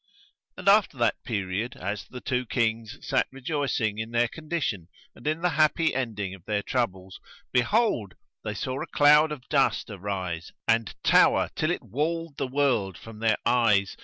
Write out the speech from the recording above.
And after that period, as the two Kings sat rejoicing in their condition and in the happy ending of their troubles, behold, they saw a cloud of dust arise and tower till it walled the world from their eyes.